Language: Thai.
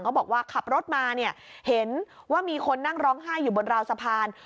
เขาบอกว่าขับรถมาเนี่ยเห็นว่ามีคนนั่งร้องไห้อยู่บนราวสะพาน